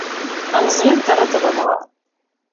Ameẓyan terriḍ-t d amɣar.